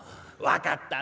分かった。